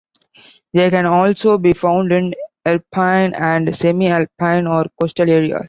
They can also be found in alpine and semi-alpine or coastal areas.